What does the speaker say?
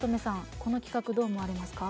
この企画どう思われますか。